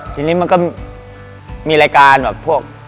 ทีนี้มันก็มีรายการแบบพวก